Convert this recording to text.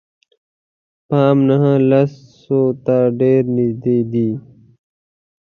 پام نهه لسو ته ډېر نژدې دي.